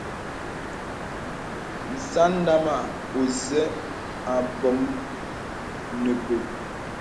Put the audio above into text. Səŋ ndàma ósə ābōm nə bòt.